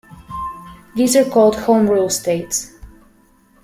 These are called home rule states.